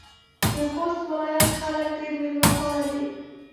د خوست ولایت خلک ډېر میلمه پاله دي.